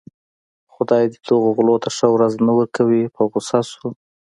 خدای دې دې غلو ته ښه ورځ نه ورکوي په غوسه شو.